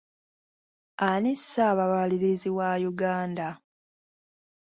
Ani ssaababalirizi wa Uganda?